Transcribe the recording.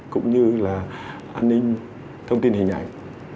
cũng như là an ninh thông tin hình ảnh